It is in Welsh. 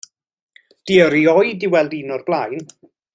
'Di o rioed wedi gweld un o'r blaen.